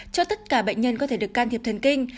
cho tất cả bệnh nhân có thể được can thiệp thần kinh